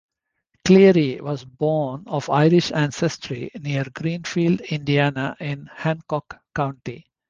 Cleary was born of Irish ancestry, near Greenfield, Indiana, in Hancock County.